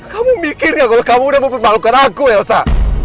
kamu mikir gak kalau kamu udah mempermalukan aku elsa